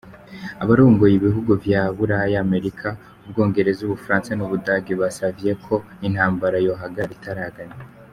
Abarongoye ibihugu vya Buraya, Amerika, Ubwongereza, Ubufaransa n’Ubudagi, basavye ko intambara yohagarara ikitaraganya.